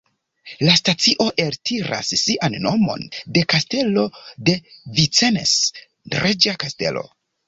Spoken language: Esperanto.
La stacio eltiras sian nomon de Kastelo de Vincennes, reĝa kastelo.